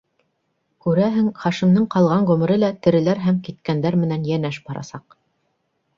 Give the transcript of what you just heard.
Күрәһең, Хашимдың ҡалған ғүмере лә тереләр һәм киткәндәр менән йәнәш барасаҡ.